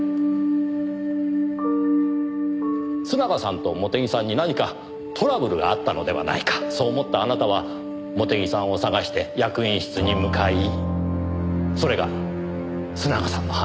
須永さんと茂手木さんに何かトラブルがあったのではないかそう思ったあなたは茂手木さんを捜して役員室に向かいそれが須永さんの犯行だと誤解した。